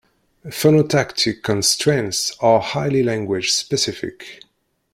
Phonotactic constraints are highly language specific.